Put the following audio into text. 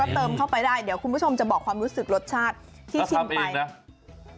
เติมเข้าไปได้เดี๋ยวคุณผู้ชมจะบอกความรู้สึกรสชาติที่ชิมไปครับ